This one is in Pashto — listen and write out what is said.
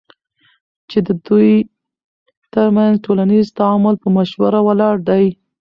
چی ددوی ترمنځ ټولنیز تعامل په مشوره ولاړ دی،